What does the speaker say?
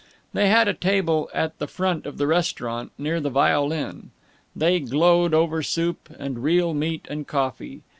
They had a table at the front of the restaurant, near the violin. They glowed over soup and real meat and coffee.